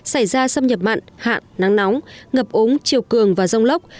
xảy ra xâm nhập mặn hạn nắng nóng ngập úng chiều cường và rông lốc